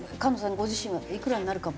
ご自身はいくらになるかも？